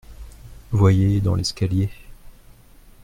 Voyez dans l’escalier…